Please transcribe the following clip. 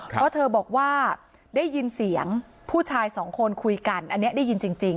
เพราะเธอบอกว่าได้ยินเสียงผู้ชายสองคนคุยกันอันนี้ได้ยินจริง